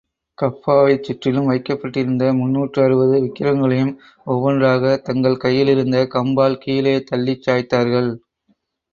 கஃபாவைச் சுற்றிலும் வைக்கப்பட்டிருந்த முந்நூற்று அறுபது விக்கிரகங்களையும், ஒவ்வொன்றாகத் தங்கள் கையிலிருந்த கம்பால் கீழே தள்ளிச் சாய்த்தார்கள்.